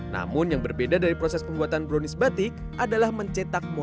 namun yang berbeda dari proses pembuatan brownies batik adalah mencetak motif